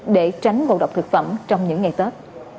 để tránh ngộ độc thực phẩm trong những ngày tết